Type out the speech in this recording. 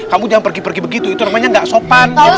kamu jangan pergi dua itu namanya gak sopan